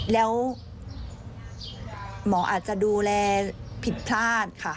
แล้วหมออาจจะดูแลผิดพลาดค่ะ